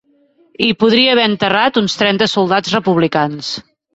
Hi podria haver enterrats uns trenta soldats republicans.